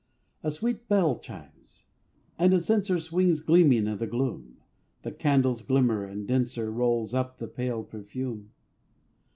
A sweet bell chimes; and a censer Swings gleaming in the gloom; The candles glimmer and denser Rolls up the pale perfume.